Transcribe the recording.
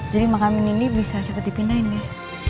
jadi makam nindi bisa cepet dipindahin ya